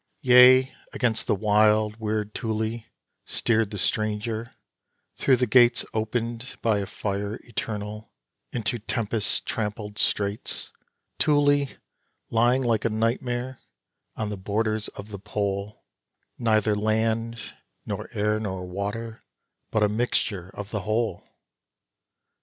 Yea, against the wild, weird Thule, steered the stranger through the gates Opened by a fire eternal, into tempest trampled straits Thule, lying like a nightmare on the borders of the Pole: Neither land, nor air, nor water, but a mixture of the whole!